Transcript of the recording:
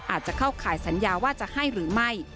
อาจจะเข้าข่ายสัญญาว่าจะให้หรือไม่